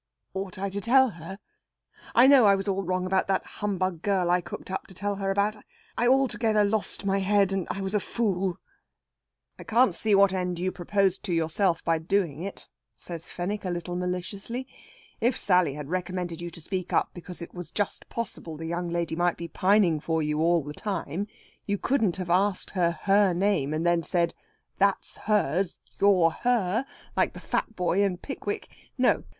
"Ought I to tell her? I know I was all wrong about that humbug girl I cooked up to tell her about. I altogether lost my head, and was a fool." "I can't see what end you proposed to yourself by doing it," says Fenwick a little maliciously. "If Sally had recommended you to speak up, because it was just possible the young lady might be pining for you all the time, you couldn't have asked her her name, and then said, 'That's hers you're her!' like the fat boy in 'Pickwick.' No!